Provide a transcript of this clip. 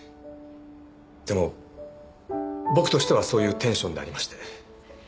でも僕としてはそういうテンションでありまして。